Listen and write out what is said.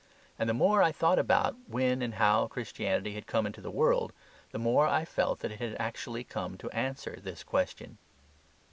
And the more I thought about when and how Christianity had come into the world, the more I felt that it had actually come to answer this question.